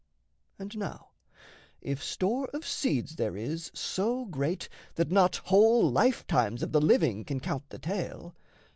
And now, if store of seeds there is So great that not whole life times of the living Can count the tale...